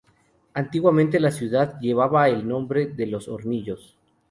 Antiguamente la ciudad llevaba el nombre de Los Hornillos.